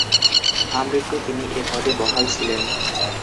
আমৃত্যু তিনি এ পদে বহাল ছিলেন।